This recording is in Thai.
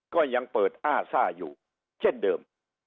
ก็ยังเปิดอ้าซ่าอยู่เช่นเดิม